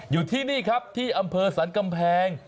อยู่ที่นี่ครับที่อำเภอสรรกำแพง